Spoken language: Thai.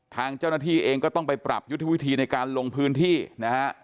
ทางเจ้าหน้าที่เองก็ต้องไปปรับยุทธวิธีในการลงพื้นที่นะฮะ